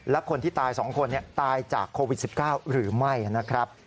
และคนที่ตาย๒คนตายจากโควิด๑๙หรือไม่นะครับ